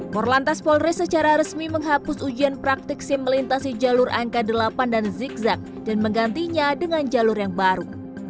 morlantas polres secara resmi menghapus ujian praktik simulintasi jalur angka delapan dan zigzag dan menggantinya dengan jalur yang baru